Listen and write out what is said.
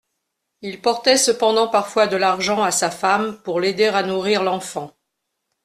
Il portait cependant parfois de l'argent à sa femme pour l'aider à nourrir l'enfant.